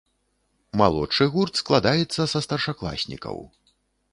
Малодшы гурт складаецца са старшакласнікаў.